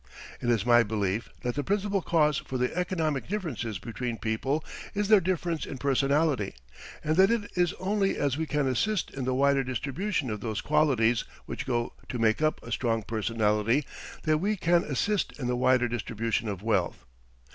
It is my belief that the principal cause for the economic differences between people is their difference in personality, and that it is only as we can assist in the wider distribution of those qualities which go to make up a strong personality that we can assist in the wider distribution of wealth.